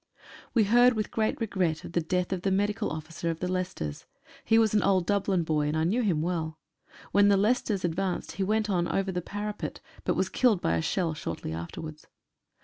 We heard with great regret of the death of the medi cal officer of the Leicesters. He was an old Dublin boy, and I knew him well. When the Leicesters advanced he went on over the parapet, but was killed by a shell shortly afterwards.